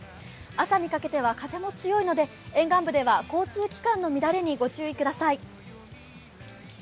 朝にかけては風も強いので、沿岸部では、交通機関の乱れにご注意ください。